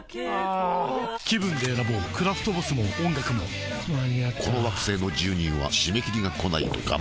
気分で選ぼうクラフトボスも音楽も間に合ったこの惑星の住人は締め切りがこないとがんばれない